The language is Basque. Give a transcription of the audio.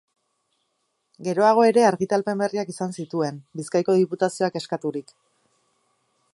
Geroago ere argitalpen berriak izan zituen, Bizkaiko Diputazioak eskaturik.